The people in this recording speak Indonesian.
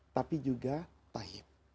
tapi juga tahib